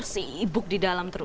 terus tersebut juga bersibuk di dalam